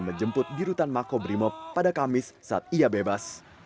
menjemput di rutan makobrimob pada kamis saat ia bebas